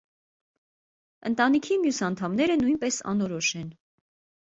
Ընտանիքի մյուս անդամները նույնպես անորոշ են։